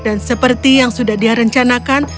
dan seperti yang sudah direncanakan